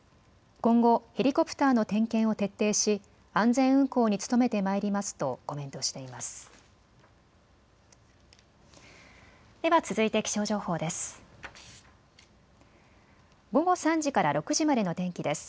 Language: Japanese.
今後ヘリコプターの点検を徹底し安全運航に努めてまいりますとコメントしています。